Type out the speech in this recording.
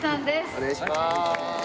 お願いします